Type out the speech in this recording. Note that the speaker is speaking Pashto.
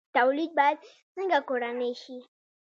تولید باید څنګه کورنی شي؟